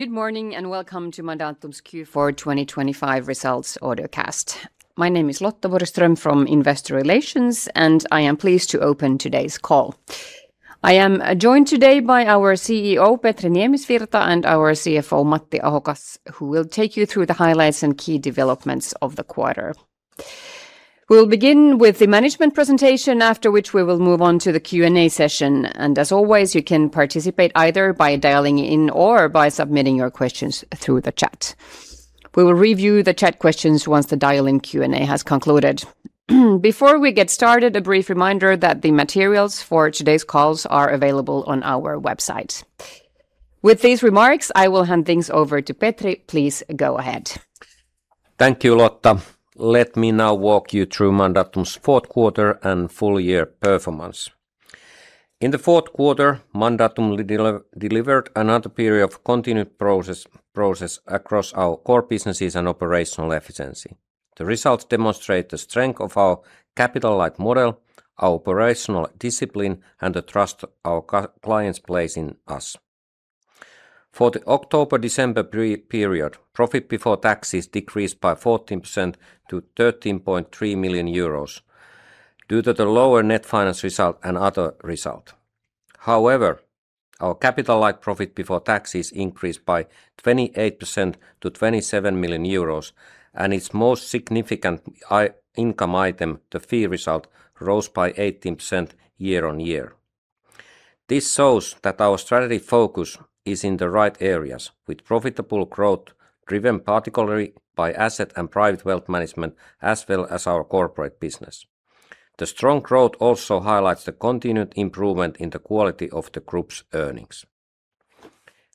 Good morning, and welcome to Mandatum's Q4 2025 results audiocast. My name is Lotta Borgström from Investor Relations, and I am pleased to open today's call. I am joined today by our CEO, Petri Niemisvirta, and our CFO, Matti Ahokas, who will take you through the highlights and key developments of the quarter. We'll begin with the management presentation, after which we will move on to the Q&A session, and as always, you can participate either by dialing in or by submitting your questions through the chat. We will review the chat questions once the dial-in Q&A has concluded. Before we get started, a brief reminder that the materials for today's calls are available on our website. With these remarks, I will hand things over to Petri. Please go ahead. Thank you, Lotta. Let me now walk you through Mandatum's fourth quarter and full year performance. In the fourth quarter, Mandatum delivered another period of continued progress across our core businesses and operational efficiency. The results demonstrate the strength of our capital-light model, our operational discipline, and the trust our clients place in us. For the October-December period, profit before taxes decreased by 14% to 13.3 million euros due to the lower net finance result and other result. However, our capital-light profit before taxes increased by 28% to 27 million euros, and its most significant income item, the fee result, rose by 18% year-on-year. This shows that our strategy focus is in the right areas, with profitable growth driven particularly by asset and private wealth management, as well as our corporate business. The strong growth also highlights the continued improvement in the quality of the group's earnings.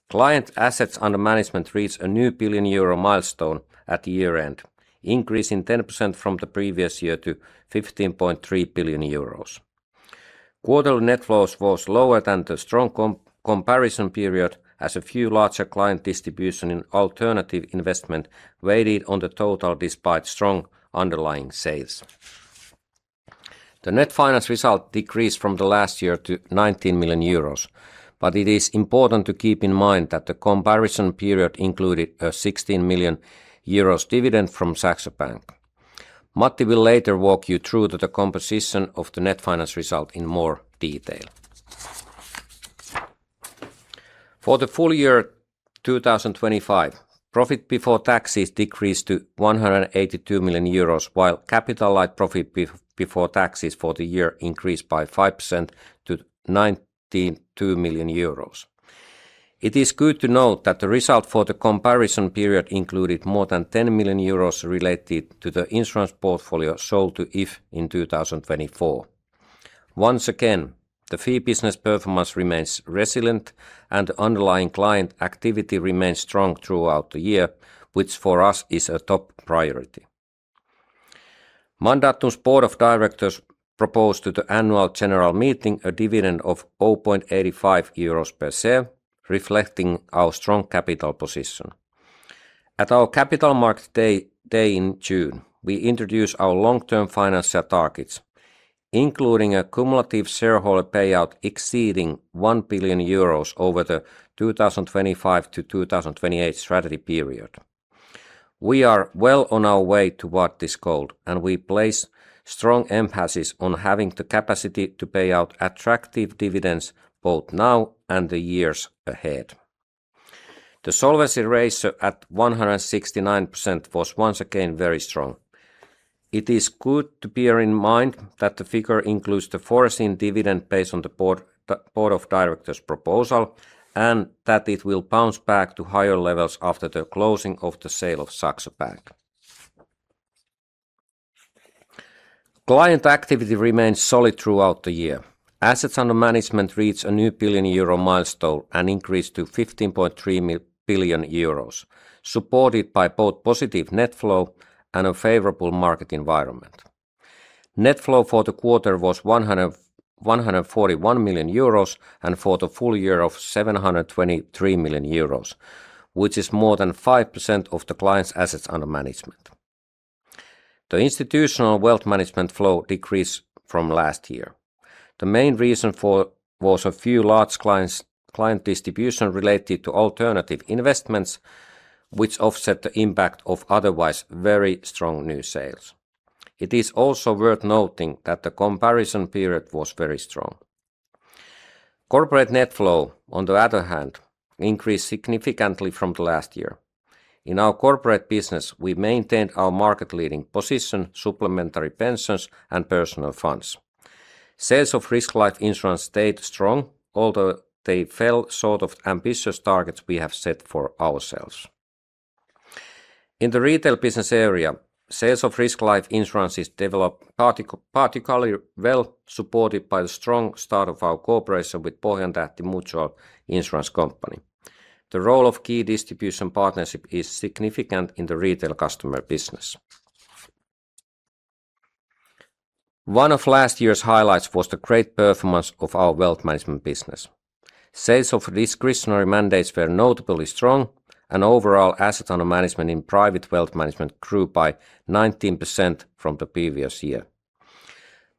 Client assets under management reached a new billion euro milestone at year-end, increasing 10% from the previous year to 15.3 billion euros. Quarterly net flows was lower than the strong comparison period, as a few larger client distribution in alternative investment weighed on the total despite strong underlying sales. The net finance result decreased from the last year to 19 million euros, but it is important to keep in mind that the comparison period included a 16 million euros dividend from Saxo Bank. Matti will later walk you through to the composition of the net finance result in more detail. For the full year 2025, profit before taxes decreased to 182 million euros, while capital-light profit before taxes for the year increased by 5% to 92 million euros. It is good to note that the result for the comparison period included more than 10 million euros related to the insurance portfolio sold to If in 2024. Once again, the fee business performance remains resilient, and underlying client activity remains strong throughout the year, which for us is a top priority. Mandatum's Board of Directors proposed to the annual general meeting a dividend of 0.85 euros per share, reflecting our strong capital position. At our Capital Markets Day in June, we introduced our long-term financial targets, including a cumulative shareholder payout exceeding 1 billion euros over the 2025-2028 strategy period. We are well on our way to what is called, and we place strong emphasis on having the capacity to pay out attractive dividends, both now and the years ahead. The solvency ratio at 169% was once again very strong. It is good to bear in mind that the figure includes the foreseen dividend based on the board, the Board of Directors' proposal, and that it will bounce back to higher levels after the closing of the sale of Saxo Bank. Client activity remains solid throughout the year. Assets under management reach a new billion euro milestone and increased to 15.3 billion euros, supported by both positive net flow and a favorable market environment. Net flow for the quarter was 141 million euros, and for the full year 723 million euros, which is more than 5% of the client's assets under management. The institutional wealth management flow decreased from last year. The main reason was a few large clients, client distribution related to alternative investments, which offset the impact of otherwise very strong new sales. It is also worth noting that the comparison period was very strong. Corporate net flow, on the other hand, increased significantly from last year. In our corporate business, we maintained our market-leading position, supplementary pensions, and personal funds. Sales of risk life insurance stayed strong, although they fell short of ambitious targets we have set for ourselves. In the retail business area, sales of risk life insurances developed particularly well, supported by the strong start of our cooperation with Pohjantähti Mutual Insurance Company. The role of key distribution partnership is significant in the retail customer business. One of last year's highlights was the great performance of our wealth management business. Sales of discretionary mandates were notably strong, and overall, assets under management in private wealth management grew by 19% from the previous year.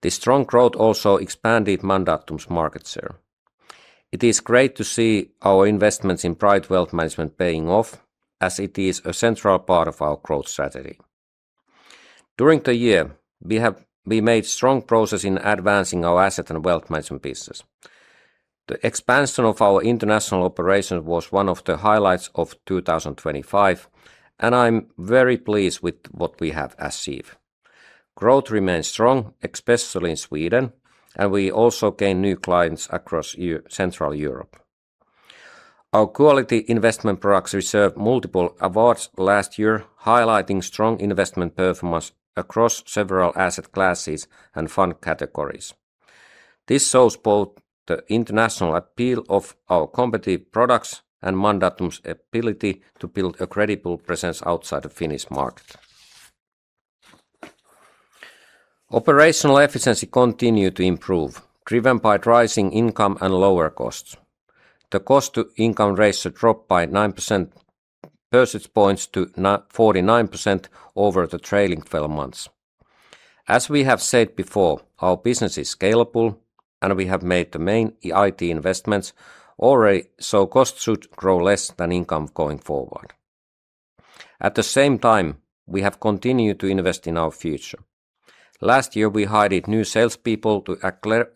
This strong growth also expanded Mandatum's market share. It is great to see our investments in private wealth management paying off, as it is a central part of our growth strategy. During the year, we made strong progress in advancing our asset and wealth management business. The expansion of our international operations was one of the highlights of 2025, and I'm very pleased with what we have achieved. Growth remains strong, especially in Sweden, and we also gained new clients across Central Europe. Our quality investment products received multiple awards last year, highlighting strong investment performance across several asset classes and fund categories. This shows both the international appeal of our competitive products and Mandatum's ability to build a credible presence outside the Finnish market. Operational efficiency continued to improve, driven by rising income and lower costs. The cost-to-income ratio dropped by 9 percentage points to 94% over the trailing twelve months. As we have said before, our business is scalable, and we have made the main IT investments already, so costs should grow less than income going forward. At the same time, we have continued to invest in our future. Last year, we hired new salespeople to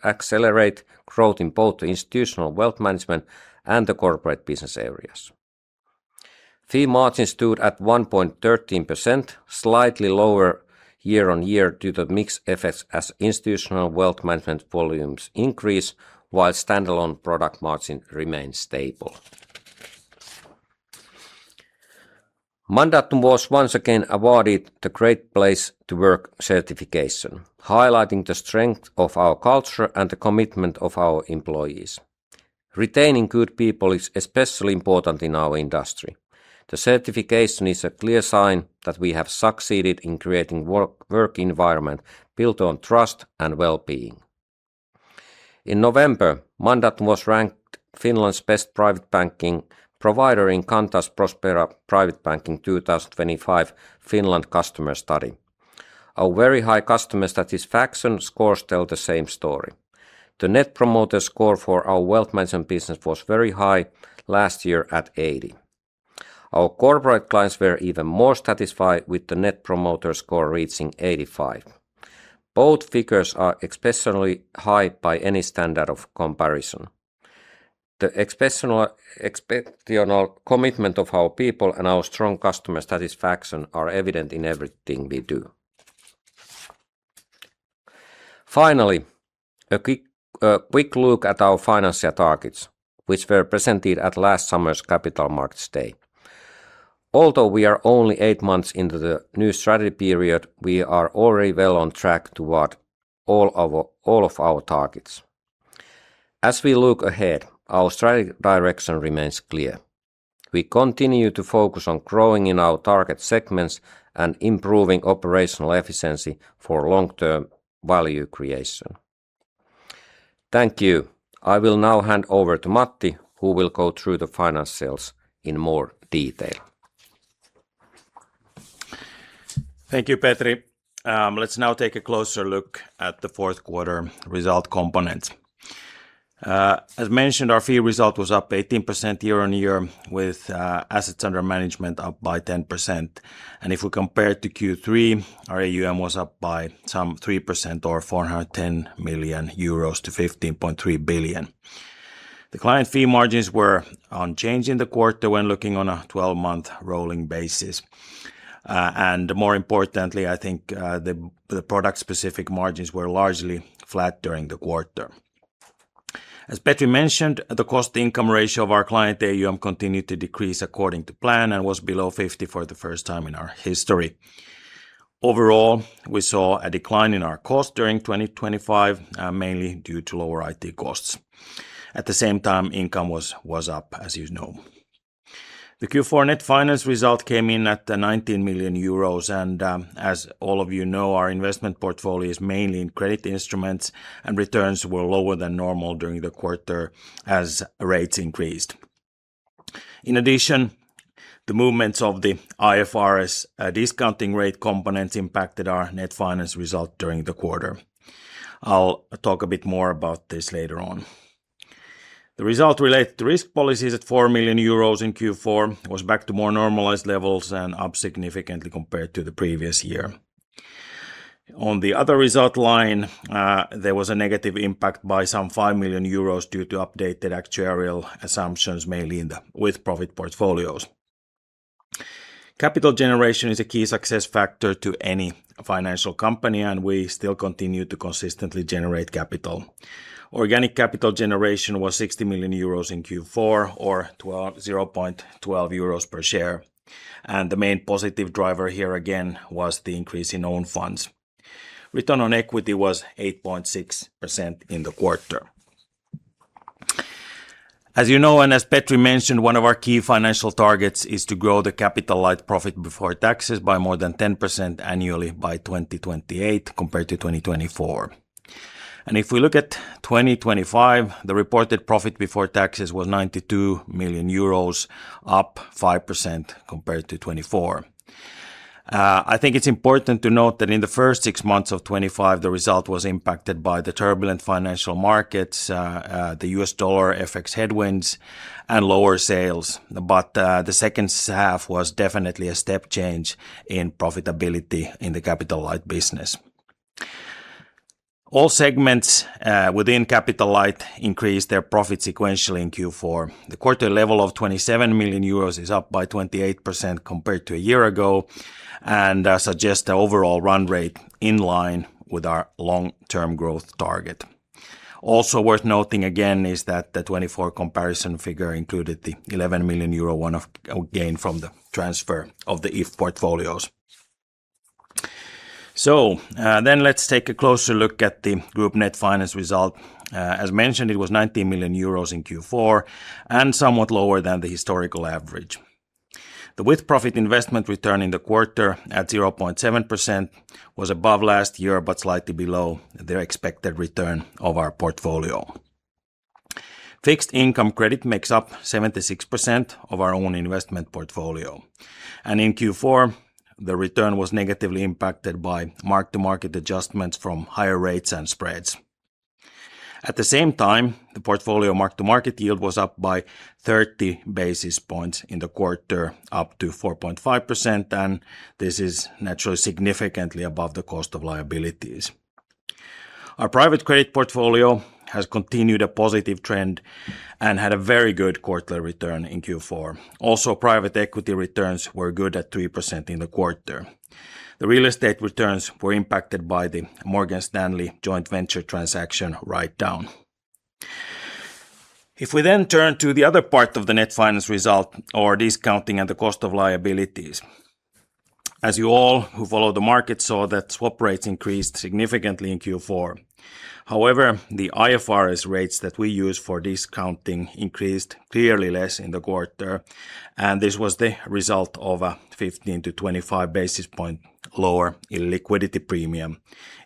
accelerate growth in both the institutional wealth management and the corporate business areas. Fee margin stood at 1.13%, slightly lower year-on-year due to mixed effects as institutional wealth management volumes increase, while standalone product margin remains stable. Mandatum was once again awarded the Great Place to Work certification, highlighting the strength of our culture and the commitment of our employees. Retaining good people is especially important in our industry. The certification is a clear sign that we have succeeded in creating work environment built on trust and well-being. In November, Mandatum was ranked Finland's best private banking provider in Kantar's Prospera Private Banking 2025 Finland customer study. Our very high customer satisfaction scores tell the same story. The net promoter score for our wealth management business was very high last year at 80. Our corporate clients were even more satisfied, with the net promoter score reaching 85. Both figures are exceptionally high by any standard of comparison. The exceptional commitment of our people and our strong customer satisfaction are evident in everything we do. Finally, a quick look at our financial targets, which were presented at last summer's Capital Markets Day. Although we are only 8 months into the new strategy period, we are already well on track toward all of our targets. As we look ahead, our strategic direction remains clear. We continue to focus on growing in our target segments and improving operational efficiency for long-term value creation. Thank you. I will now hand over to Matti, who will go through the financials in more detail. Thank you, Petri. Let's now take a closer look at the fourth quarter result components. As mentioned, our fee result was up 18% year-on-year, with assets under management up by 10%. If we compare it to Q3, our AUM was up by some 3% or 410 million euros to 15.3 billion. The client fee margins were unchanged in the quarter when looking on a 12-month rolling basis. And more importantly, I think, the product-specific margins were largely flat during the quarter. As Petri mentioned, the cost-to-income ratio of our client AUM continued to decrease according to plan and was below 50 for the first time in our history. Overall, we saw a decline in our costs during 2025, mainly due to lower IT costs. At the same time, income was up, as you know. The Q4 net finance result came in at 19 million euros, and, as all of you know, our investment portfolio is mainly in credit instruments, and returns were lower than normal during the quarter as rates increased. In addition, the movements of the IFRS discounting rate components impacted our net finance result during the quarter. I'll talk a bit more about this later on. The result related to risk policies at 4 million euros in Q4 was back to more normalized levels and up significantly compared to the previous year. On the other result line, there was a negative impact by some 5 million euros due to updated actuarial assumptions, mainly in the with-profit portfolios. Capital generation is a key success factor to any financial company, and we still continue to consistently generate capital. Organic capital generation was 60 million euros in Q4, or 0.12 euros per share, and the main positive driver here, again, was the increase in own funds. Return on equity was 8.6% in the quarter. As you know, and as Petri mentioned, one of our key financial targets is to grow the capital light profit before taxes by more than 10% annually by 2028 compared to 2024. And if we look at 2025, the reported profit before taxes was 92 million euros, up 5% compared to 2024. I think it's important to note that in the first six months of 2025, the result was impacted by the turbulent financial markets, the U.S. dollar, FX headwinds, and lower sales. But, the second half was definitely a step change in profitability in the capital-light business. All segments within capital-light increased their profit sequentially in Q4. The quarter level of 27 million euros is up by 28% compared to a year ago, and suggests the overall run rate in line with our long-term growth target. Also worth noting again, is that the 2024 comparison figure included the 11 million euro one-off gain from the transfer of the If portfolios. So, then let's take a closer look at the group net finance result. As mentioned, it was 19 million euros in Q4, and somewhat lower than the historical average. The with profit investment return in the quarter at 0.7% was above last year, but slightly below the expected return of our portfolio. Fixed income credit makes up 76% of our own investment portfolio, and in Q4, the return was negatively impacted by mark-to-market adjustments from higher rates and spreads. At the same time, the portfolio mark-to-market yield was up by 30 basis points in the quarter, up to 4.5%, and this is naturally significantly above the cost of liabilities. Our private credit portfolio has continued a positive trend and had a very good quarterly return in Q4. Also, private equity returns were good at 3% in the quarter. The real estate returns were impacted by the Morgan Stanley joint venture transaction write down. If we then turn to the other part of the net finance result, or discounting and the cost of liabilities. As you all who follow the market saw that swap rates increased significantly in Q4. However, the IFRS rates that we use for discounting increased clearly less in the quarter, and this was the result of a 15-25 basis point lower illiquidity premium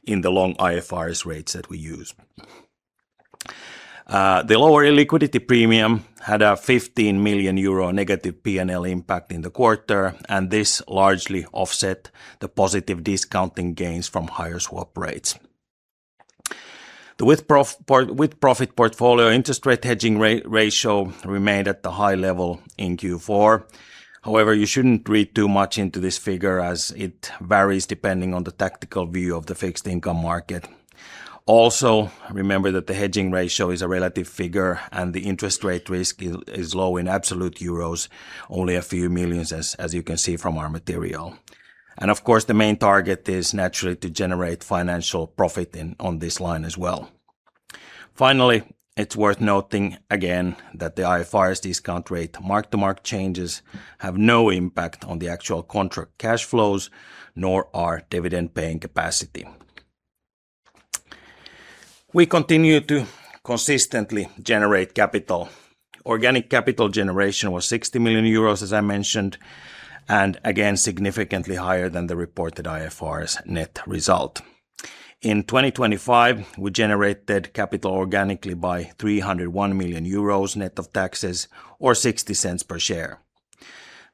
in the long IFRS rates that we use. The lower illiquidity premium had a 15 million euro- P&L impact in the quarter, and this largely offset the positive discounting gains from higher swap rates. The with-profit portfolio interest rate hedging ratio remained at the high level in Q4. However, you shouldn't read too much into this figure, as it varies depending on the tactical view of the fixed income market. Also, remember that the hedging ratio is a relative figure, and the interest rate risk is low in absolute euros, only a few million euros, as you can see from our material. Of course, the main target is naturally to generate financial profit in on this line as well. Finally, it's worth noting again, that the IFRS discount rate mark-to-market changes have no impact on the actual contract cash flows, nor our dividend-paying capacity. We continue to consistently generate capital. Organic capital generation was 60 million euros, as I mentioned, and again, significantly higher than the reported IFRS net result. In 2025, we generated capital organically by 301 million euros, net of taxes, or 0.60 per share.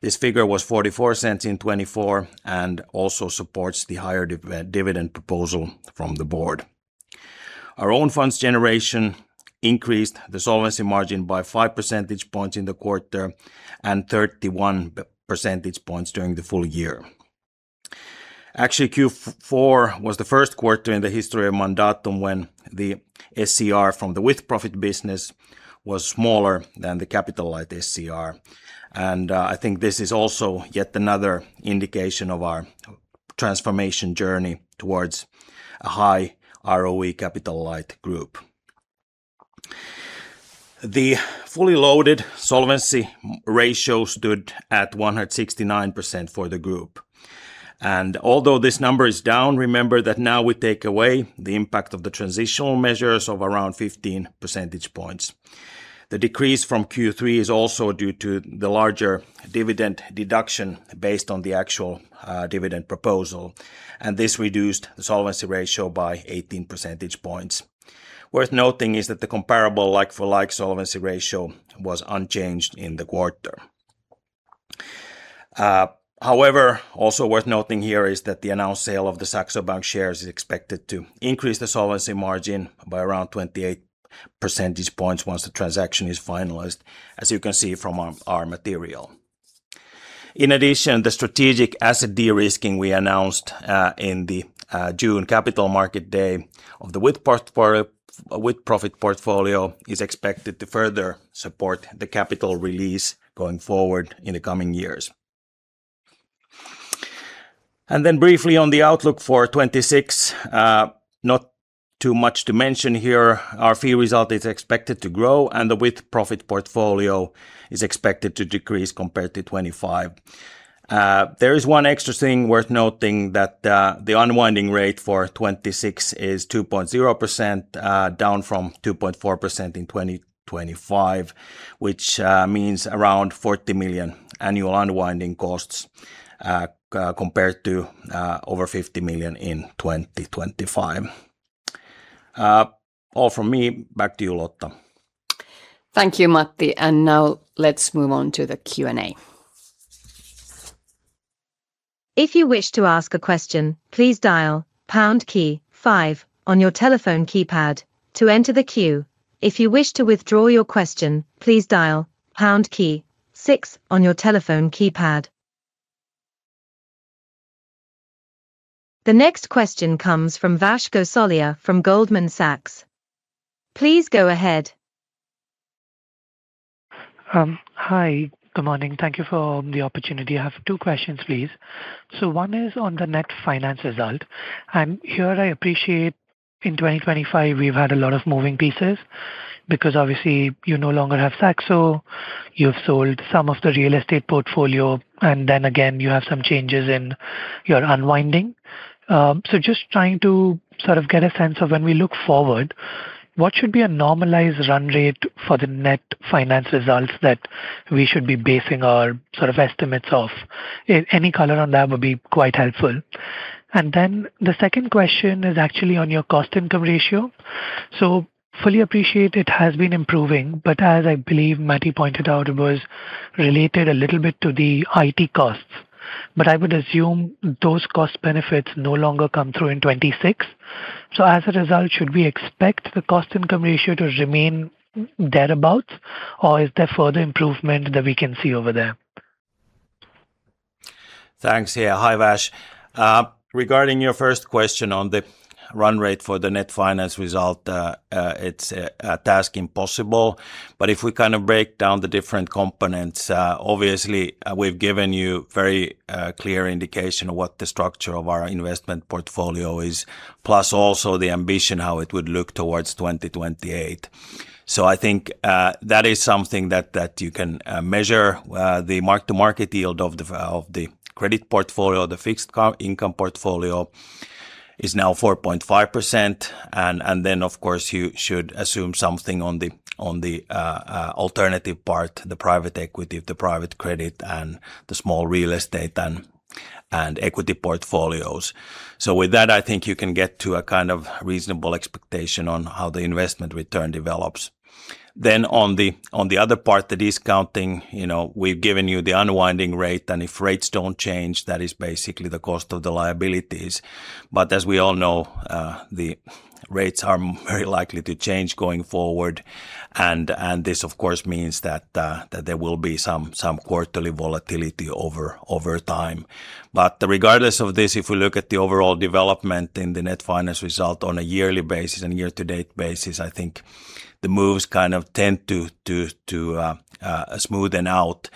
This figure was 0.44 in 2024, and also supports the higher dividend proposal from the board. Our own funds generation increased the solvency margin by 5 percentage points in the quarter and 31 percentage points during the full year. Actually, Q4 was the first quarter in the history of Mandatum when the SCR from the with profit business was smaller than the capital-light SCR. And, I think this is also yet another indication of our transformation journey towards a high ROE capital-light group. The fully loaded solvency ratio stood at 169% for the group. And although this number is down, remember that now we take away the impact of the transitional measures of around 15 percentage points. The decrease from Q3 is also due to the larger dividend deduction based on the actual dividend proposal, and this reduced the solvency ratio by 18 percentage points. Worth noting is that the comparable, like for like, solvency ratio was unchanged in the quarter. However, also worth noting here is that the announced sale of the Saxo Bank shares is expected to increase the solvency margin by around 28 percentage points once the transaction is finalized, as you can see from our material. In addition, the strategic asset de-risking we announced in the June capital market day of the with profit portfolio is expected to further support the capital release going forward in the coming years. Then briefly on the outlook for 2026, not too much to mention here. Our fee result is expected to grow, and the with profit portfolio is expected to decrease compared to 2025. There is one extra thing worth noting, that the unwinding rate for 2026 is 2.0%, down from 2.4% in 2025, which means around 40 million annual unwinding costs, compared to over 50 million in 2025. All from me. Back to you, Lotta. Thank you, Matti. Now let's move on to the Q&A. If you wish to ask a question, please dial pound key five on your telephone keypad to enter the queue. If you wish to withdraw your question, please dial pound key six on your telephone keypad. The next question comes from Vash Gosalia from Goldman Sachs. Please go ahead. Hi, good morning. Thank you for the opportunity. I have two questions, please. So one is on the net finance result, and here I appreciate in 2025, we've had a lot of moving pieces because obviously you no longer have Saxo, you've sold some of the real estate portfolio, and then again, you have some changes in your unwinding. So just trying to sort of get a sense of when we look forward, what should be a normalized run rate for the net finance results that we should be basing our sort of estimates off? Any color on that would be quite helpful. And then the second question is actually on your cost-income ratio. So fully appreciate it has been improving, but as I believe Matti pointed out, it was related a little bit to the IT costs. I would assume those cost benefits no longer come through in 2026. As a result, should we expect the cost-income ratio to remain thereabout, or is there further improvement that we can see over there? Thanks. Yeah. Hi, Vash. Regarding your first question on the run rate for the net finance result, it's a task impossible. But if we kinda break down the different components, obviously, we've given you very clear indication of what the structure of our investment portfolio is, plus also the ambition, how it would look towards 2028. So I think that is something that you can measure the mark-to-market yield of the credit portfolio. The fixed income portfolio is now 4.5%, and then, of course, you should assume something on the alternative part, the private equity, the private credit, and the small real estate, and equity portfolios. So with that, I think you can get to a kind of reasonable expectation on how the investment return develops. Then on the other part, the discounting, you know, we've given you the unwinding rate, and if rates don't change, that is basically the cost of the liabilities. But as we all know, the rates are very likely to change going forward, and this, of course, means that there will be some quarterly volatility over time. But regardless of this, if we look at the overall development in the net finance result on a yearly basis and year-to-date basis, I think the moves kind of tend to smoothen out.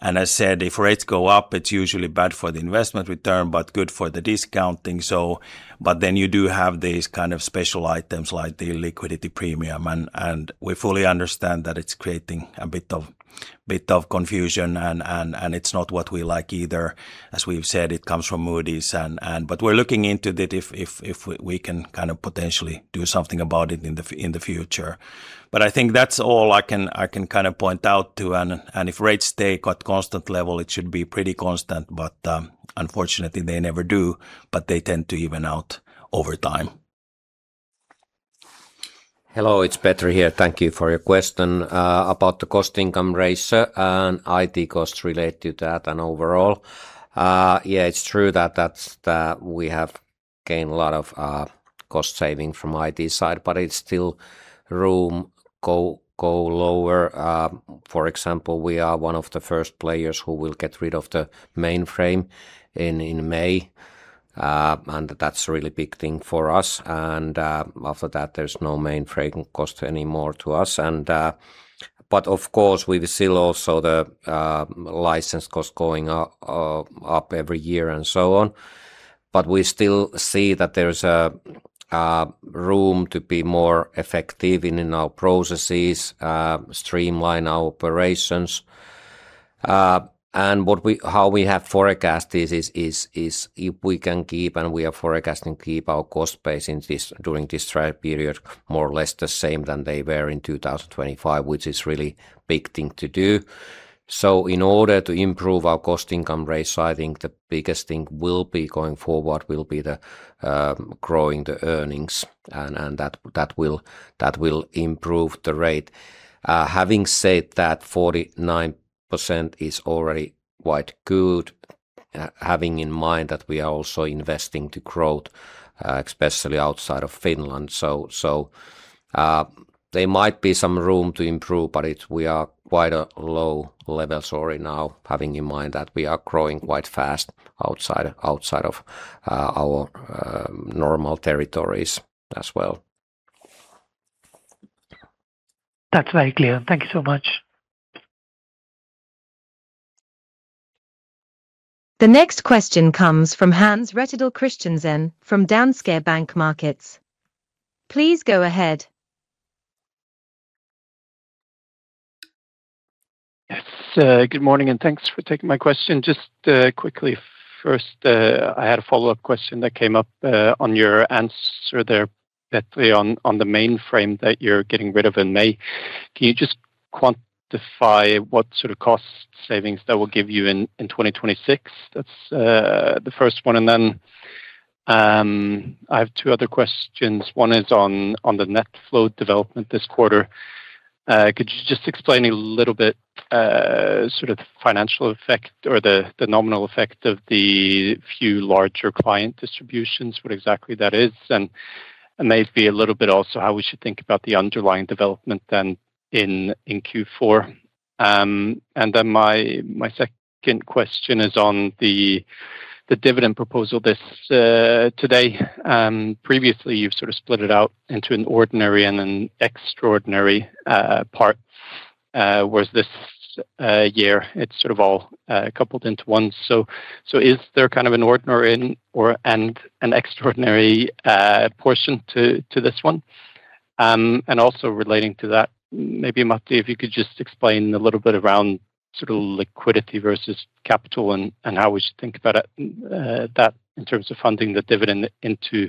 And I said, if rates go up, it's usually bad for the investment return but good for the discounting, so... But then you do have these kind of special items like the liquidity premium, and we fully understand that it's creating a bit of confusion, and it's not what we like either. As we've said, it comes from Moody's. But we're looking into it if we can kind of potentially do something about it in the future. But I think that's all I can kind of point out to, and if rates stay at constant level, it should be pretty constant, but unfortunately, they never do, but they tend to even out over time. Hello, it's Petri here. Thank you for your question about the cost-income ratio and IT costs related to that and overall. Yeah, it's true that we have gained a lot of cost saving from IT side, but it's still room to go lower. For example, we are one of the first players who will get rid of the mainframe in May, and that's a really big thing for us, and after that, there's no mainframe cost anymore to us. But of course, we've still also the license cost going up every year and so on, but we still see that there's a room to be more effective in our processes, streamline our operations. And how we have forecast this is if we can keep, and we are forecasting, keep our cost base in this—during this dry period, more or less the same than they were in 2025, which is really big thing to do. So in order to improve our cost-income ratio, I think the biggest thing will be going forward, will be the growing the earnings, and that will improve the rate. Having said that, 49% is already quite good, having in mind that we are also investing to growth, especially outside of Finland. So, there might be some room to improve, but it's—we are quite a low level sorry now, having in mind that we are growing quite fast outside of our normal territories as well. That's very clear. Thank you so much. The next question comes from Hans Rettedal Christiansen from Danske Bank Markets. Please go ahead. Yes, good morning, and thanks for taking my question. Just, quickly, first, I had a follow-up question that came up, on your answer there, Petri, on the mainframe that you're getting rid of in May. Can you just quantify what sort of cost savings that will give you in 2026? That's the first one, and then I have two other questions. One is on the net flow development this quarter. Could you just explain a little bit, sort of financial effect or the nominal effect of the few larger client distributions, what exactly that is? And maybe a little bit also how we should think about the underlying development then in Q4. And then my second question is on the dividend proposal this today. Previously, you've sort of split it out into an ordinary and an extraordinary part, whereas this year, it's sort of all coupled into one. So, is there kind of an ordinary or, and an extraordinary portion to this one? And also relating to that, maybe, Matti, if you could just explain a little bit around sort of liquidity versus capital and how we should think about it, that in terms of funding the dividend into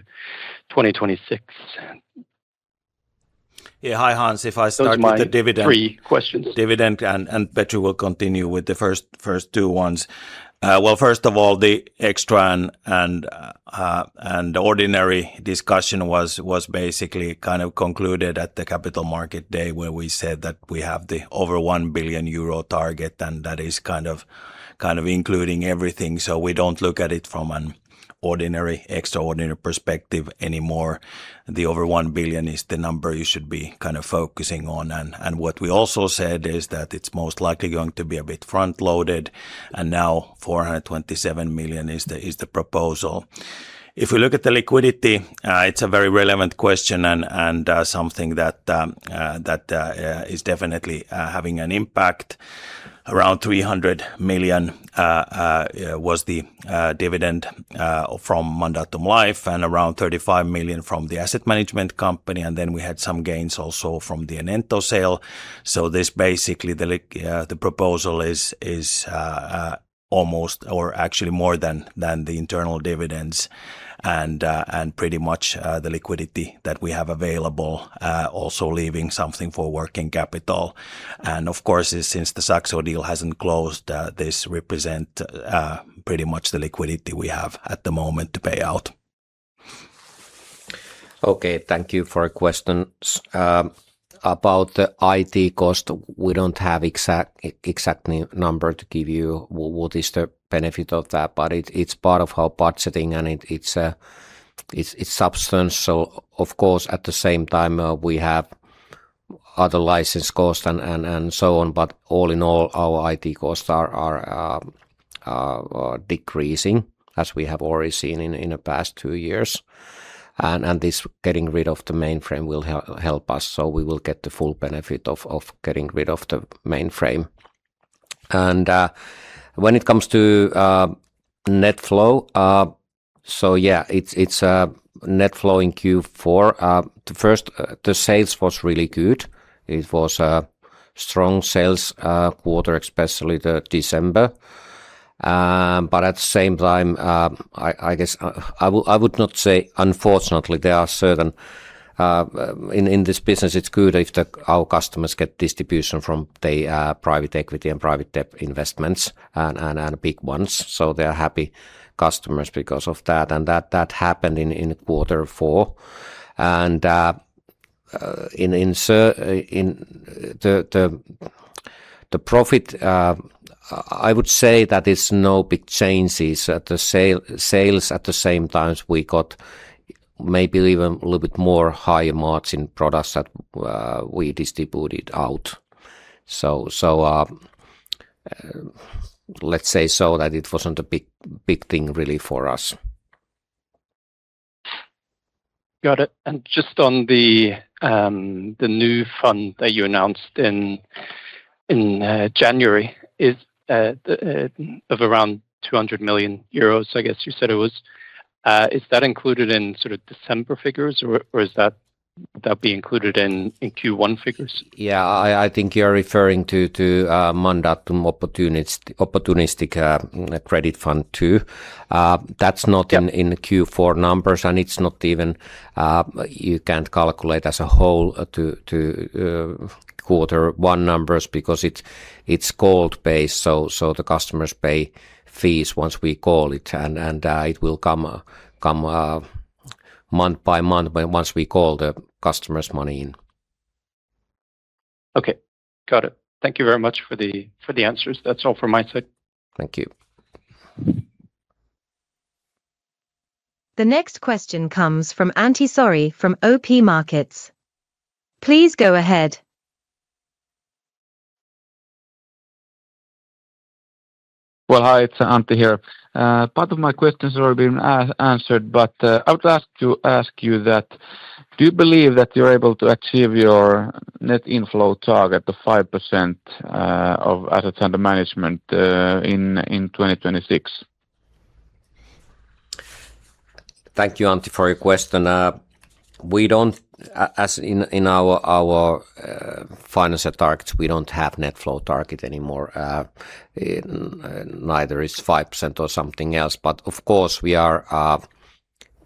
2026. Yeah. Hi, Hans. If I start with the dividend- Three questions. Dividend, and Petri will continue with the first two ones. Well, first of all, the extraordinary discussion was basically kind of concluded at the capital market day, where we said that we have the over 1 billion euro target, and that is kind of including everything. So we don't look at it from an ordinary, extraordinary perspective anymore. The over 1 billion is the number you should be kind of focusing on. And what we also said is that it's most likely going to be a bit front-loaded, and now 427 million is the proposal. If we look at the liquidity, it's a very relevant question and something that is definitely having an impact. Around 300 million was the dividend from Mandatum Life, and around 35 million from the asset management company, and then we had some gains also from the Enento sale. So this basically, the proposal is almost or actually more than the internal dividends and pretty much the liquidity that we have available also leaving something for working capital. And of course, since the Saxo deal hasn't closed, this represent pretty much the liquidity we have at the moment to pay out. Okay, thank you for your questions. About the IT cost, we don't have exact number to give you what is the benefit of that, but it's part of our budgeting, and it's substantial. So of course, at the same time, we have other license costs and so on. But all in all, our IT costs are decreasing, as we have already seen in the past two years. And this getting rid of the mainframe will help us, so we will get the full benefit of getting rid of the mainframe. And when it comes to net flow, so yeah, it's net flow in Q4. The sales was really good. It was a strong sales quarter, especially the December. But at the same time, I guess, I would not say unfortunately, there are certain... In this business, it's good if the our customers get distribution from the private equity and private debt investments, and big ones, so they are happy customers because of that. And that happened in quarter four. And in the profit, I would say that it's no big changes. At the sales, at the same time, we got maybe even a little bit more higher margin products that we distributed out. So, let's say so that it wasn't a big thing really for us. Got it. And just on the new fund that you announced in January of around 200 million euros, I guess you said it was. Is that included in sort of December figures, or is that to be included in Q1 figures? Yeah. I think you're referring to Mandatum Opportunistic Credit Fund 2. That's not- Yeah. In Q4 numbers, and it's not even, you can't calculate as a whole to quarter one numbers because it's called pay, so the customers pay fees once we call it, and it will come month by month, but once we call the customer's money in. Okay, got it. Thank you very much for the, for the answers. That's all from my side. Thank you. The next question comes from Antti Saari from OP Markets. Please go ahead. Well, hi, it's Antti here. Part of my questions have already been answered, but I would like to ask you that, do you believe that you're able to achieve your net inflow target of 5% of asset under management in 2026? Thank you, Antti, for your question. We don't—as in our financial targets, we don't have net flow target anymore, neither is 5% or something else. But of course, we are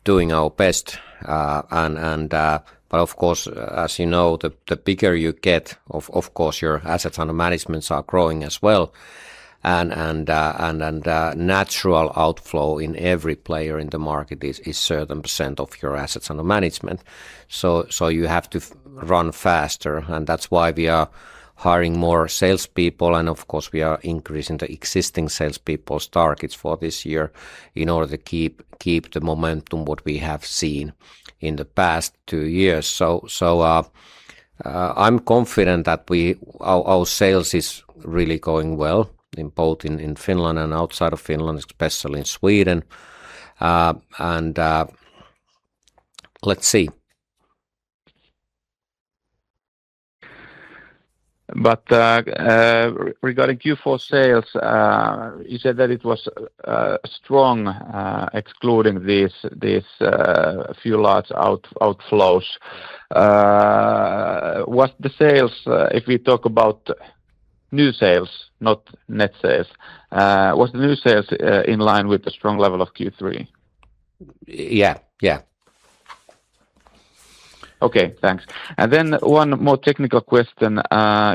doing our best, and, but of course, as you know, the bigger you get, of course, your assets under managements are growing as well. And, natural outflow in every player in the market is certain percent of your assets under management. So you have to run faster, and that's why we are hiring more salespeople, and of course, we are increasing the existing salespeople's targets for this year in order to keep the momentum, what we have seen in the past two years. So, I'm confident that we—our sales is really going well in both in Finland and outside of Finland, especially in Sweden, and, let's see. Regarding Q4 sales, you said that it was strong, excluding these few large outflows. Was the sales... If we talk about new sales, not net sales, was the new sales in line with the strong level of Q3? Yeah, yeah. Okay, thanks. Then one more technical question.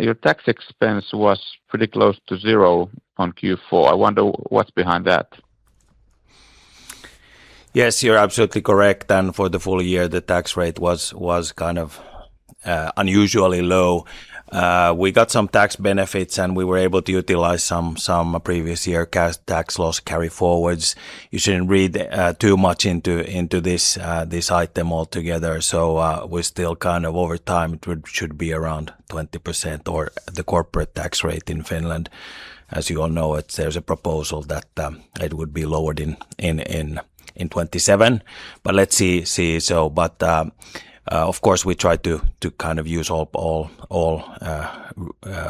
Your tax expense was pretty close to zero on Q4. I wonder what's behind that? Yes, you're absolutely correct, and for the full year, the tax rate was kind of unusually low. We got some tax benefits, and we were able to utilize some previous year cash tax loss carryforwards. You shouldn't read too much into this item altogether. We're still kind of over time, it should be around 20% or the corporate tax rate in Finland. As you all know, there's a proposal that it would be lowered in 2027, but let's see. Of course, we try to kind of use all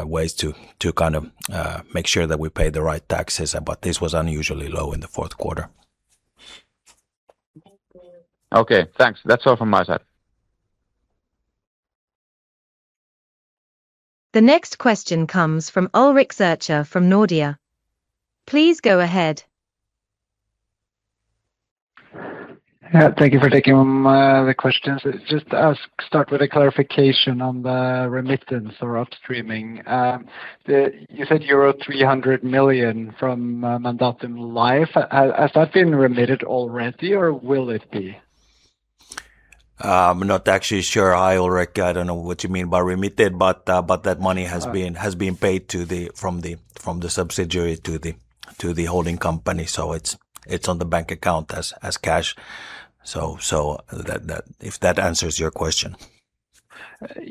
ways to kind of make sure that we pay the right taxes, but this was unusually low in the fourth quarter. Okay, thanks. That's all from my side. The next question comes from Ulrik Zürcher from Nordea. Please go ahead. Yeah, thank you for taking the questions. Just ask, start with a clarification on the remittance or upstreaming. You said euro 300 million from Mandatum Life. Has that been remitted already, or will it be? I'm not actually sure, Ulrik. I don't know what you mean by remitted, but, but that money- Uh.... has been paid from the subsidiary to the holding company. So it's on the bank account as cash. So that... If that answers your question.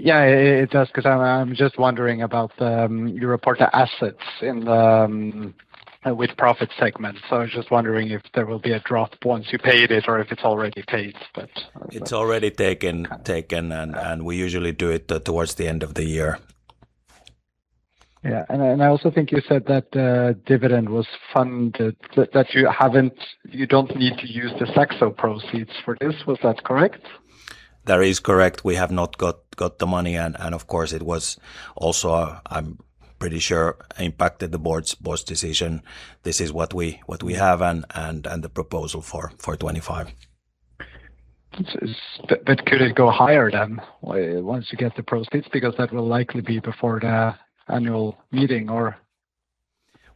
Yeah, it does, 'cause I'm just wondering about you report the assets in the with profit segment. So I was just wondering if there will be a drop once you paid it or if it's already paid, but- It's already taken. Okay. ...taken, and we usually do it toward the end of the year. Yeah, and I, and I also think you said that, dividend was funded, that, that you haven't, you don't need to use the Saxo proceeds for this. Was that correct? That is correct. We have not got the money and, of course, it was also, I'm pretty sure, impacted the board's boss decision. This is what we have and the proposal for 25. But could it go higher than once you get the proceeds? Because that will likely be before the annual meeting or...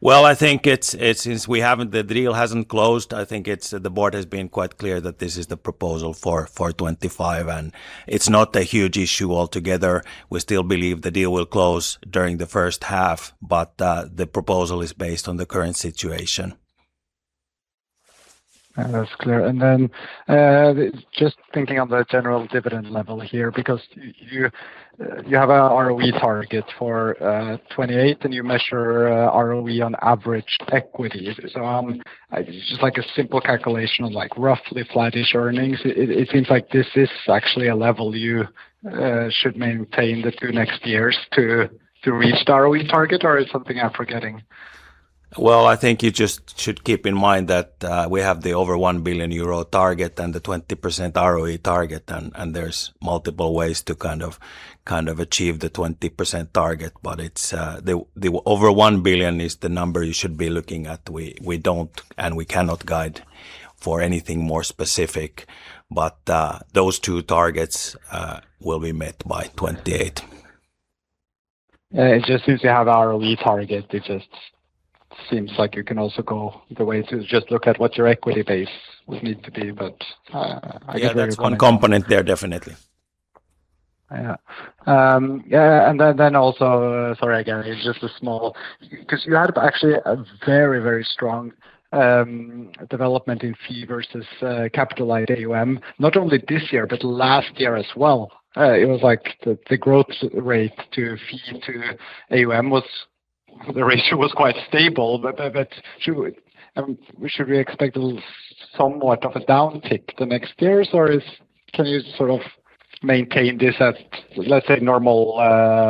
Well, I think it's. Since we haven't, the deal hasn't closed, I think it's the board has been quite clear that this is the proposal for 25, and it's not a huge issue altogether. We still believe the deal will close during the first half, but the proposal is based on the current situation. That's clear. Then, just thinking on the general dividend level here, because you have a ROE target for 2028, and you measure ROE on average equity. So, just like a simple calculation of, like, roughly flattish earnings, it seems like this is actually a level you should maintain the two next years to reach the ROE target, or is something I'm forgetting? Well, I think you just should keep in mind that, we have the over 1 billion euro target and the 20% ROE target, and there's multiple ways to kind of achieve the 20% target, but it's, the, the over 1 billion is the number you should be looking at. We, we don't, and we cannot guide for anything more specific, but, those two targets, will be met by 2028. It just seems to have ROE target. It just seems like you can also go the way to just look at what your equity base would need to be, but, I guess that's- Yeah, one component there, definitely. Yeah. Yeah, and then also, sorry again, it's just a small... Because you had actually a very, very strong development in fee versus capitalized AUM, not only this year, but last year as well. It was like the growth rate to fee to AUM was the ratio was quite stable. But should we expect somewhat of a downtick the next years, or is... Can you sort of maintain this at, let's say, normal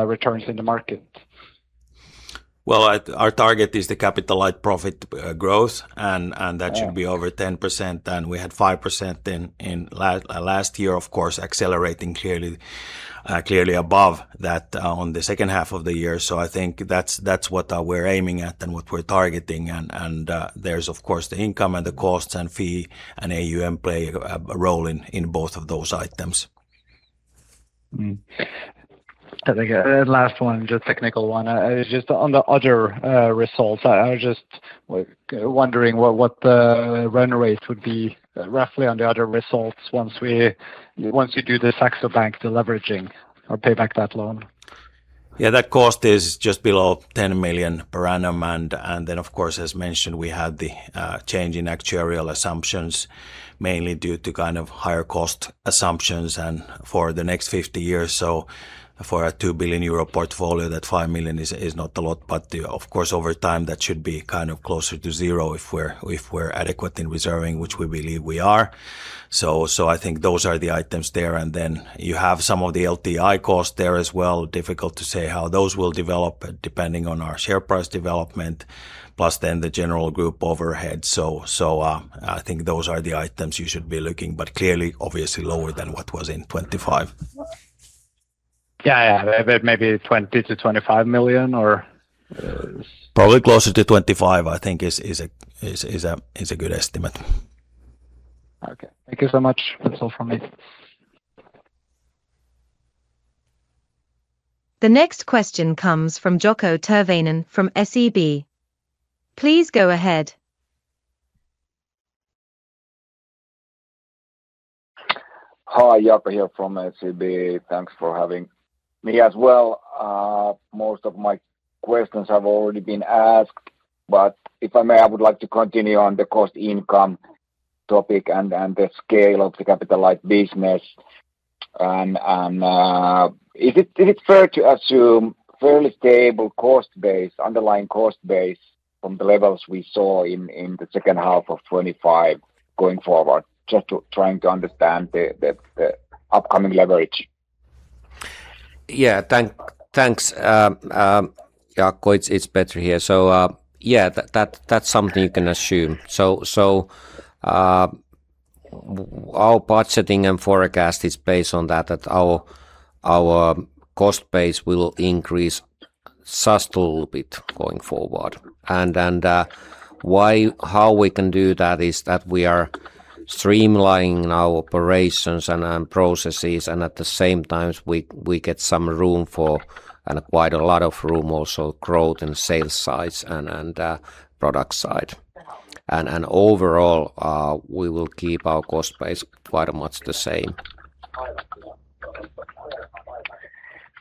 returns in the market? Well, our target is the capital-light profit, growth, and that- Yeah.... should be over 10%, and we had 5% in last year, of course, accelerating clearly, clearly above that, on the second half of the year. So I think that's what we're aiming at and what we're targeting, and, of course, the income and the costs and fee, and AUM play a role in both of those items. I think the last one, just technical one. It's just on the other results. I was just wondering what the run rate would be roughly on the other results once we do this Saxo Bank deleveraging or pay back that loan? Yeah, that cost is just below 10 million per annum. And then, of course, as mentioned, we had the change in actuarial assumptions, mainly due to kind of higher cost assumptions and for the next 50 years. So for a 2 billion euro portfolio, that 5 million is not a lot, but, of course, over time, that should be kind of closer to zero if we're adequate in reserving, which we believe we are. So I think those are the items there, and then you have some of the LTI costs there as well. Difficult to say how those will develop, depending on our share price development, plus then the general group overhead. So I think those are the items you should be looking, but clearly, obviously lower than what was in 25. Yeah, yeah. Maybe 20 million-25 million, or- Probably closer to 25 million, I think, is a good estimate. Okay. Thank you so much. That's all from me. The next question comes from Jaakko Tyrväinen from SEB. Please go ahead. Hi, Jaakko here from SEB. Thanks for having me as well. Most of my questions have already been asked, but if I may, I would like to continue on the cost income topic and the scale of the capital light business. Is it fair to assume fairly stable cost base, underlying cost base from the levels we saw in the second half of 2025 going forward? Just to trying to understand the upcoming leverage. Yeah. Thanks, Jaakko. It's Petri here. So, yeah, that's something you can assume. So, our budgeting and forecast is based on that our cost base will increase just a little bit going forward. And then, how we can do that is that we are streamlining our operations and processes, and at the same time, we get some room for, and quite a lot of room also, growth in sales sides and product side. And overall, we will keep our cost base quite much the same.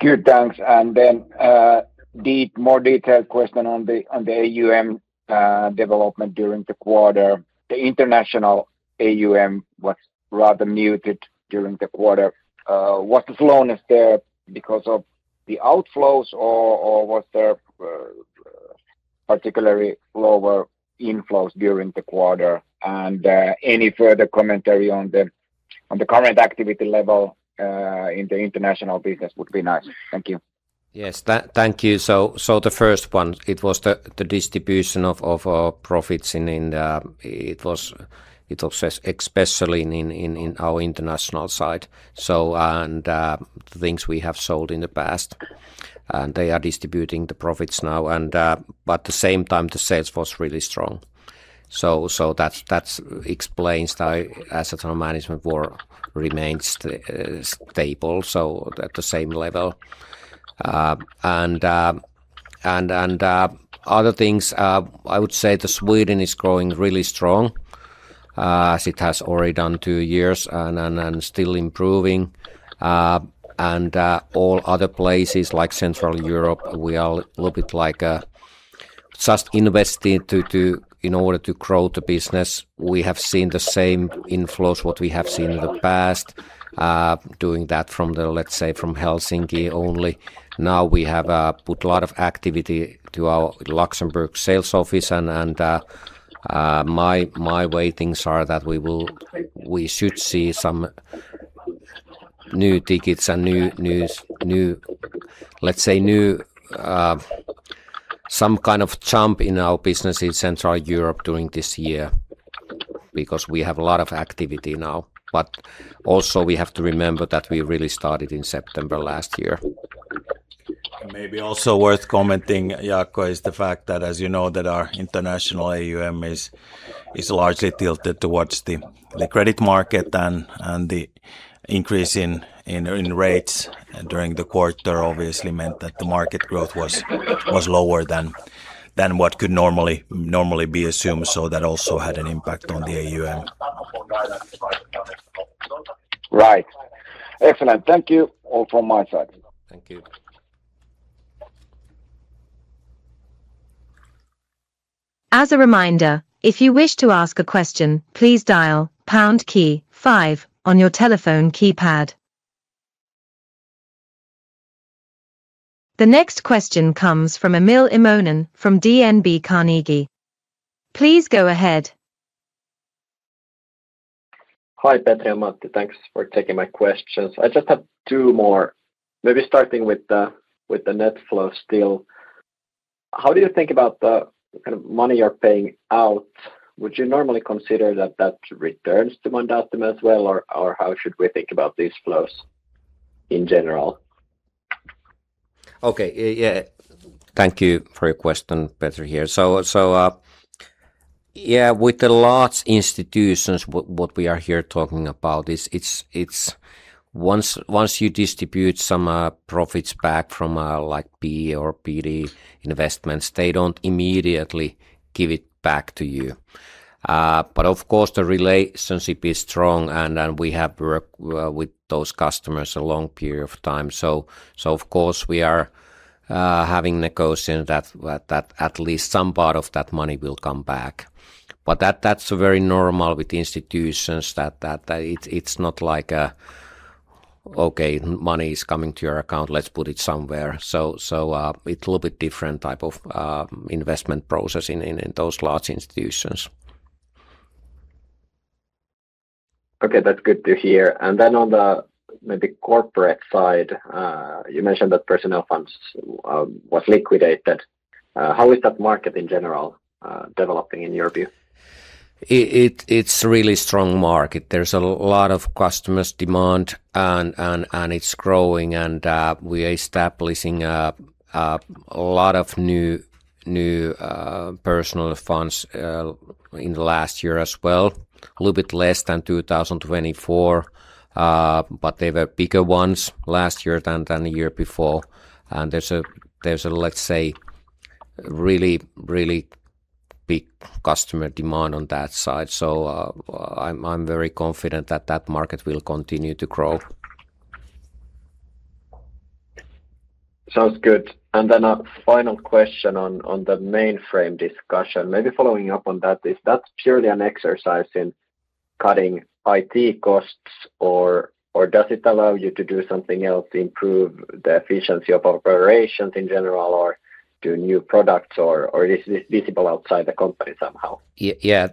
Good, thanks. And then, the more detailed question on the, on the AUM, development during the quarter. The international AUM was rather muted during the quarter. Was the slowness there because of the outflows, or, or was there, particularly lower inflows during the quarter? And, any further commentary on the, on the current activity level, in the international business would be nice. Thank you. Yes, thank you. So, the first one, it was the distribution of our profits in... It was especially in our international side. So, and things we have sold in the past, and they are distributing the profits now, and but at the same time, the sales was really strong. So, that's explains why AWM remains stable, so at the same level. And other things, I would say Sweden is growing really strong, as it has already done two years and still improving. And all other places like Central Europe, we are a little bit like just investing to do in order to grow the business. We have seen the same inflows, what we have seen in the past, doing that from the, let's say, from Helsinki only. Now, we have put a lot of activity to our Luxembourg sales office and, and, my, my way things are that we should see some new tickets and new, new, new... Let's say, new, some kind of jump in our business in Central Europe during this year because we have a lot of activity now. But also we have to remember that we really started in September last year. Maybe also worth commenting, Jaakko, is the fact that, as you know, our international AUM is largely tilted towards the credit market and the increase in rates during the quarter obviously meant that the market growth was lower than what could normally be assumed. So that also had an impact on the AUM. Right. Excellent. Thank you, all from my side. Thank you. As a reminder, if you wish to ask a question, please dial pound key five on your telephone keypad. The next question comes from Emil Immonen from DNB Carnegie. Please go ahead. Hi, Petri and Matti. Thanks for taking my questions. I just have two more. Maybe starting with the net flow still. How do you think about the kind of money you're paying out? Would you normally consider that that returns to Mandatum as well, or, or how should we think about these flows in general? Okay. Yeah. Thank you for your question. Petri here. So, yeah, with the large institutions, what we are here talking about is it's once you distribute some profits back from like B or BD investments, they don't immediately give it back to you. But of course, the relationship is strong, and we have worked with those customers a long period of time. So of course, we are having negotiation that at least some part of that money will come back. But that's very normal with institutions that it's not like okay, money is coming to your account, let's put it somewhere. So it's a little bit different type of investment process in those large institutions. Okay, that's good to hear. And then on the maybe corporate side, you mentioned that personal funds was liquidated. How is that market in general developing, in your view? It's a really strong market. There's a lot of customers' demand, and it's growing, and we are establishing a lot of new personal funds in the last year as well. A little bit less than 2024, but they were bigger ones last year than the year before. And there's, let's say, really, really big customer demand on that side. So, I'm very confident that that market will continue to grow. Sounds good. And then a final question on, on the mainframe discussion. Maybe following up on that, is that purely an exercise in cutting IT costs, or, or does it allow you to do something else to improve the efficiency of operations in general, or do new products, or, or is this visible outside the company somehow? Yeah,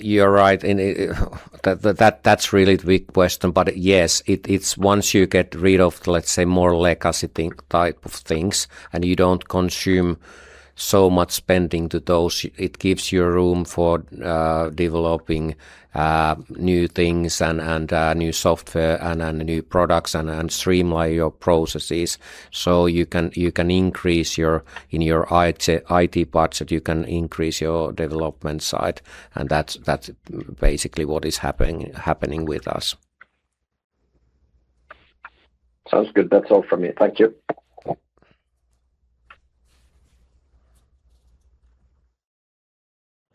you're right, and that, that's really the big question. But yes, it's once you get rid of, let's say, more legacy thing, type of things, and you don't consume so much spending to those, it gives you room for developing new things and new software, and new products, and streamline your processes. So you can increase your IT budget, you can increase your development side, and that's basically what is happening with us. Sounds good. That's all for me. Thank you.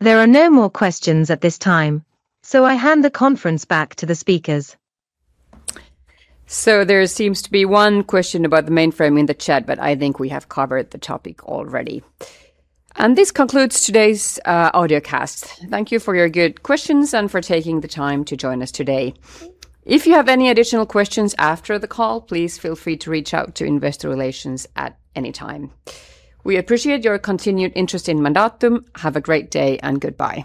There are no more questions at this time, so I hand the conference back to the speakers. There seems to be one question about the mainframe in the chat, but I think we have covered the topic already. This concludes today's audio cast. Thank you for your good questions and for taking the time to join us today. If you have any additional questions after the call, please feel free to reach out to Investor Relations at any time. We appreciate your continued interest in Mandatum. Have a great day, and goodbye.